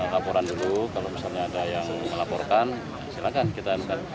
laporan dulu kalau misalnya ada yang melaporkan silakan kita mk